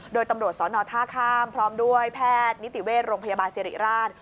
โดยตำรวจสนท่าข้ามพร้อมด้วยแพทย์นิติเวชโรงพยาบาลสิริราช